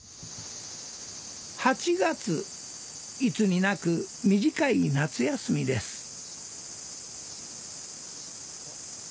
いつになく短い夏休みです。